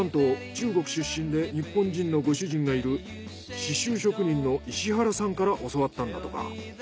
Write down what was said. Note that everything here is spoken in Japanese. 中国出身で日本人のご主人がいる刺繍職人の石原さんから教わったんだとか。